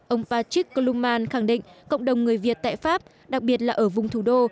ông patrick koluman khẳng định cộng đồng người việt tại pháp đặc biệt là ở vùng thủ đô